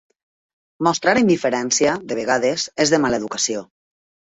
Mostrar indiferència, de vegades, és de mala educació.